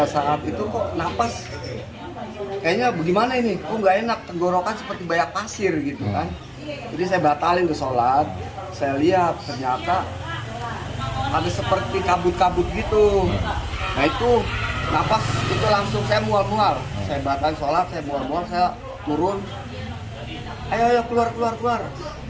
saya buang buang saya makan sholat saya buang buang saya turun ayo ayo keluar keluar keluar